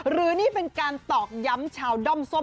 หรือนี่เป็นการตอกย้ำชาวด้อมส้ม